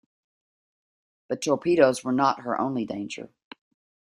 But torpedoes were not her only danger.